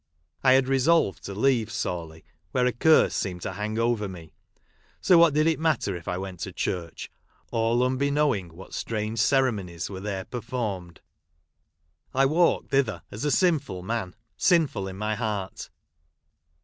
I had resolved to leave Sawley, where a curse seemed to hang over me ; so what did it matter if I went to church, all unbeknowing what strange ceremonies were there performed 1 I walked thither as a sinful man — sinful in my heart.